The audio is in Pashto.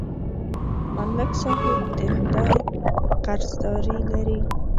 ملک صاحب د خدای قرضداري لري